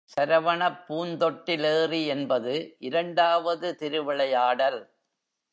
சரவணப் பூந்தொட்டிலேறி என்பது இரண்டாவது திருவிளையாடல்.